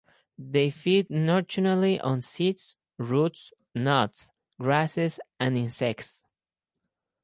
They feed nocturnally on seeds, roots, nuts, grasses and insects.